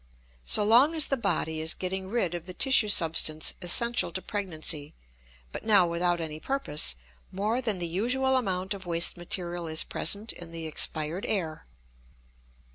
So long as the body is getting rid of the tissue substance essential to pregnancy, but now without any purpose, more than the usual amount of waste material is present in the expired air.